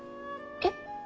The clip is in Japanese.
えっ？